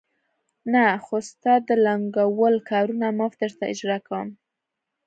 نه، خو ستا د لنګول کارونه مفت درته اجرا کوم.